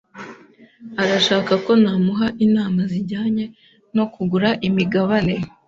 arashaka ko namuha inama zijyanye no kugura imigabane.